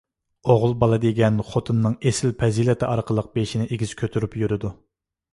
ئوغۇل بالا دېگەن خوتۇننىڭ ئېسىل پەزىلىتى ئارقىلىق بېشىنى ئېگىز كۆتۈرۈپ يۈرىدۇ.